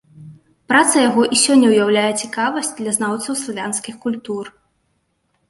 Праца яго і сёння ўяўляе цікавасць для знаўцаў славянскіх культур.